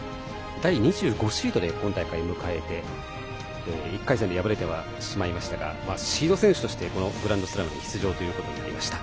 第２５シードで今大会を迎えて１回戦で敗れてはしまいましたがシード選手としてグランドスラムに出場となりました。